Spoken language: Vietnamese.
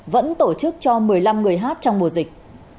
vẫn tổ chức cho một mươi năm người hát trong mùa dịch